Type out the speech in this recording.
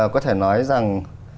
có thể nói rằng